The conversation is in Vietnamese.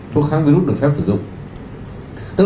thuốc kháng virus được phép sử dụng